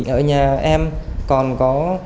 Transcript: ở nhà em còn có